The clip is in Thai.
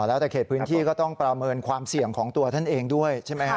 แล้วแต่เขตพื้นที่ก็ต้องประเมินความเสี่ยงของตัวท่านเองด้วยใช่ไหมฮะ